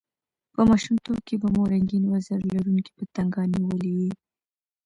په ماشومتوب کښي به مو رنګین وزر لرونکي پتنګان نیولي يي!